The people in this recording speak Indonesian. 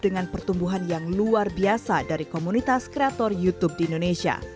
dengan pertumbuhan yang luar biasa dari komunitas kreator youtube di indonesia